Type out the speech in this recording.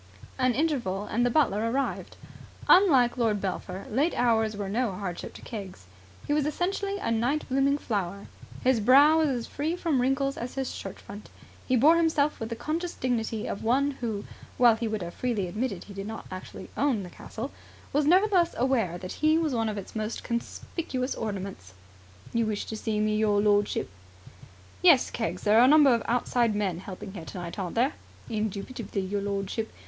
An interval and the butler arrived. Unlike Lord Belpher late hours were no hardship to Keggs. He was essentially a night blooming flower. His brow was as free from wrinkles as his shirt front. He bore himself with the conscious dignity of one who, while he would have freely admitted he did not actually own the castle, was nevertheless aware that he was one of its most conspicuous ornaments. "You wished to see me, your lordship?" "Yes. Keggs, there are a number of outside men helping here tonight, aren't there?" "Indubitably, your lordship.